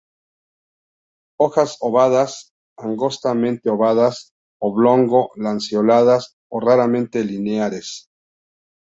Hojas ovadas, angostamente ovadas, oblongo-lanceoladas o raramente lineares.